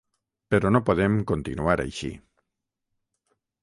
Però no podem continuar així.